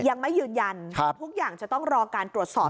ยังไม่ยืนยันทุกอย่างจะต้องรอการตรวจสอบ